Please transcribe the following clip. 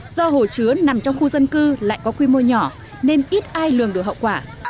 do hồ chứa nằm trong khu dân cư lại có quy mô nhỏ nên ít ai lường được hậu quả